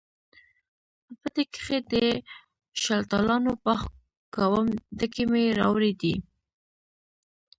په پټي کښې د شلتالانو باغ کوم، ډکي مې راوړي دي